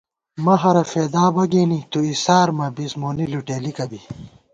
مَہَرہ فېدا بہ گېنی تُو اِسار مہ بِس مونی لُٹېلِکہ بی